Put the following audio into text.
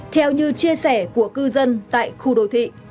theo như chia sẻ của cư dân tại khu đô thị